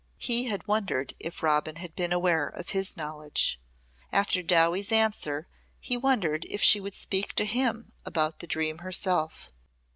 He had wondered if Robin had been aware of his knowledge. After Dowie's answer he wondered if she would speak to him about the dream herself.